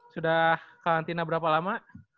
sudah kalantina berapa lama